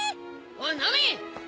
おいナミ！